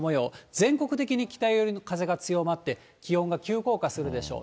全国的に北寄りの風が強まって、気温が急降下するでしょう。